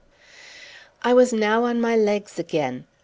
I was now on my legs again.